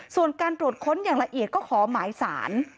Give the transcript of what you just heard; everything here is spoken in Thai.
ส่วนการตรวจค้นอย่างละเอียดก็ขอหมายสาร